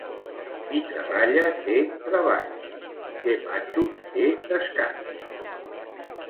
Qui treballa té treballs; qui té matxos té descans.